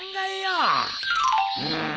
うん。